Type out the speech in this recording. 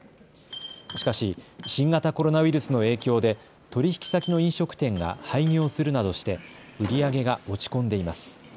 しかし新型コロナウイルスの影響で取引先の飲食店が廃業するなどして売り上げが落ち込んでいます。